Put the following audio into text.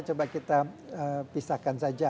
coba kita pisahkan saja